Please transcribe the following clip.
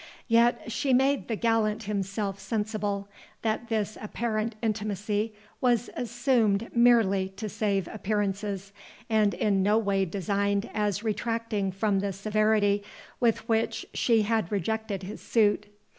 Yet she made the gallant himself sensible, that this apparent intimacy was assumed merely to save appearances, and in no way designed as retracting from the severity with which she had rejected his suit.